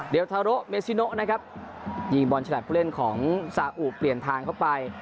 ทาโรเมซิโนนะครับยิงบอลฉลับผู้เล่นของซาอุเปลี่ยนทางเข้าไป